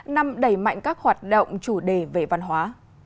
năm đẩy mạnh các hoạt động chủ đề về văn hóa